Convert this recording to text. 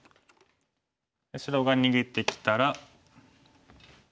白が逃げてきたら。